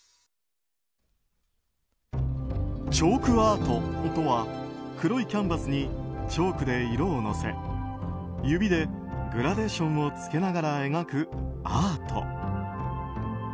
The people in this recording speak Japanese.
チョークアートとは黒いキャンバスにチョークで色を乗せ指でグラデーションをつけながら描くアート。